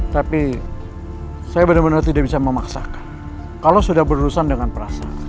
tapi saya benar benar tidak bisa memaksakan kalau sudah berurusan dengan perasaan